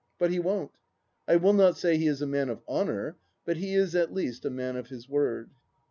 But he won't. I will not say he is a man of honour, but he is at least a man of his word.